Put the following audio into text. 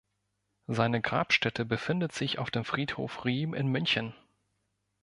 Seine Grabstätte befindet sich auf dem Friedhof Riem in München.